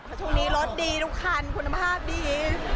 เพราะช่วงนี้รถดีทุกคันคุณภาพดี